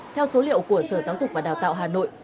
theo số liệu của sở giáo dục và đào tạo hà nội